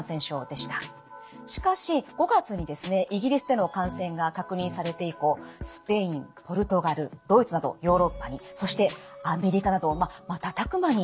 しかし５月にイギリスでの感染が確認されて以降スペインポルトガルドイツなどヨーロッパにそしてアメリカなど瞬く間に広がりました。